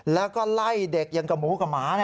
แล้วก็ไล่เด็กอย่างกับหมูกับหมา